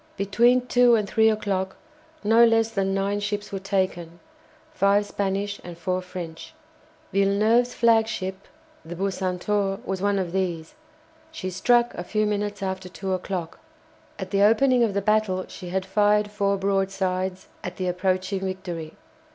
Between two and three o'clock no less than nine ships were taken, five Spanish and four French. Villeneuve's flagship, the "Bucentaure," was one of these. She struck a few minutes after two o'clock. At the opening of the battle she had fired four broadsides at the approaching "Victory."